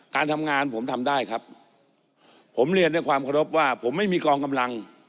การทำงานผมทำได้ครับผมเรียนด้วยความเคารพว่าผมไม่มีกองกำลัง